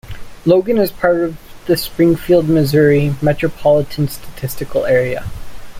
Logan is part of the Springfield, Missouri Metropolitan Statistical Area.